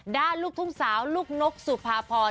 ลูกทุ่งสาวลูกนกสุภาพร